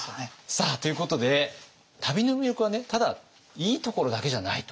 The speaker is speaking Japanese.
さあということで旅の魅力はねただいいところだけじゃないと。